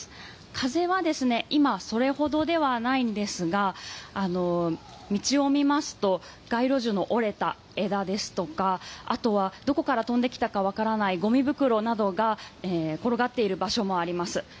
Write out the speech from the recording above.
風は今、それほどではないんですが道を見ますと街路樹の折れた枝ですとかあとはどこから飛んできたかわからないゴミ袋などが転がっている場所もあります。